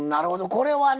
これはね